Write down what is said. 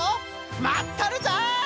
まっとるぞい！